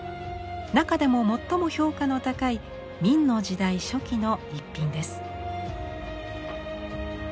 中でも最も評価の高い明の時代初期の逸品です。